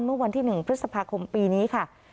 เมื่อวันที่๑พฤษภาคมปีนี้ค่ะ